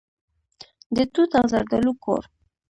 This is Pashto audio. د توت او زردالو کور.